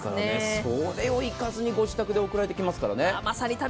それを行かずにご自宅に送られてきますからね。